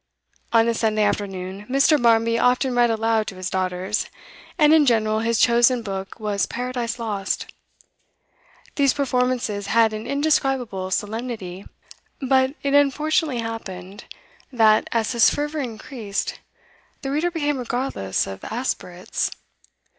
On a Sunday afternoon, Mr. Barmby often read aloud to his daughters, and in general his chosen book was 'Paradise Lost.' These performances had an indescribable solemnity, but it unfortunately happened that, as his fervour increased, the reader became regardless of aspirates.